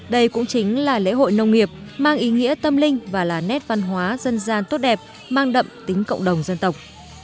đây cũng chính là lễ hội nông nghiệp mang ý nghĩa tâm linh và là nét văn hóa dân gian tốt đẹp mang đậm tính cộng đồng dân tộc